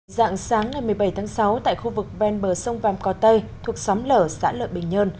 dạng sáng ngày một mươi bảy tháng sáu tại khu vực ven bờ sông vàm cỏ tây thuộc xóm lở xã lợi bình nhơn